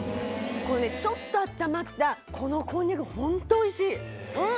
ちょっと温まったこのこんにゃくホントおいしい。